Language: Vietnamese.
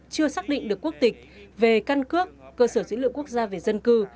chưa xác định được quốc tịch về căn cước cơ sở dữ liệu quốc gia về dân cư